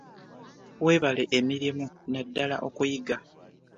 Weebale emirimu naddala okuyiga.